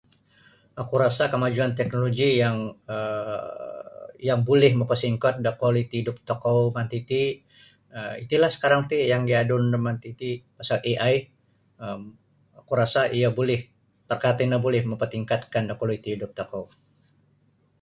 Oku rasa kamajuan teknoloji yang um yang bulih mokosingkot da kualiti hidup tokou manti ti iti lah sekarang ti yang diadun daman titi pasal AI um oku rasa iyo bulih maka tino bulih mampartingkatkan da kualiti hidup tokou